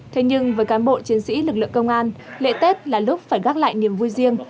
thế nhưng với cán bộ chiến sĩ lực lượng công an lễ tết là lúc phải gác lại niềm vui riêng